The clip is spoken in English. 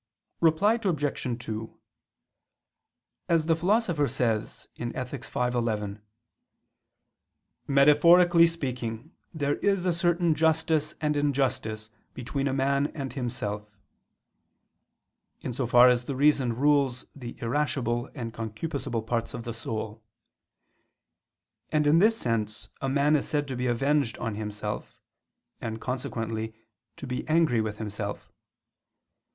Reply Obj. 2: As the Philosopher says (Ethic. v, 11), "metaphorically speaking there is a certain justice and injustice between a man and himself," in so far as the reason rules the irascible and concupiscible parts of the soul. And in this sense a man is said to be avenged on himself, and consequently, to be angry with himself.